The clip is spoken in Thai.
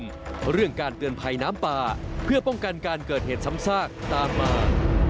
เรื่องการเตือนภัยน้ำป่าเพื่อป้องกันการเกิดเหตุซ้ำซากตามมา